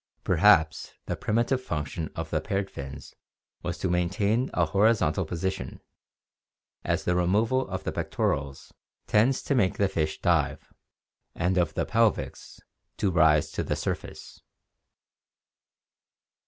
Perhaps the primitive function of the paired fins was to maintain a horizontal position, as the removal of the pectorals tends to make the fish dive, and of the pelvics, to rise to the surface.